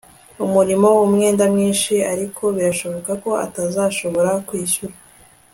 amurimo umwenda mwinshi, ariko birashoboka ko atazashobora kwishyura